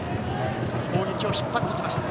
攻撃を引っ張ってきました。